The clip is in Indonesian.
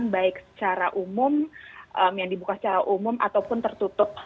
baik secara umum yang dibuka secara umum ataupun tertutup